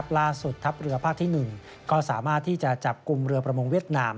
ล่าสุดทัพเรือภาคที่๑ก็สามารถที่จะจับกลุ่มเรือประมงเวียดนาม